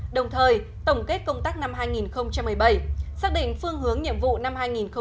đồng thời tổng kết công tác năm hai nghìn một mươi bảy xác định phương hướng nhiệm vụ năm hai nghìn một mươi chín